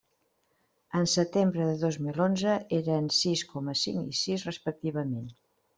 En setembre del dos mil onze eren sis coma cinc i sis respectivament.